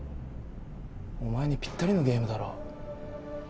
お前にぴったりのゲームだろ？